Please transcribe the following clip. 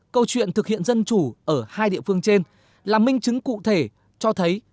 câu chuyện thực hiện dân chủ ở hai địa phương trên là minh chứng cụ thể cho thấy